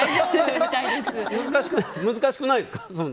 難しくないですか？